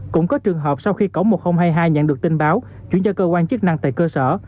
cũng có trường hợp sau khi cổng một nghìn hai mươi hai nhận được tin báo chuyển cho cơ quan chức năng tại cơ sở